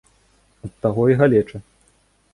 Ад таго і галеча.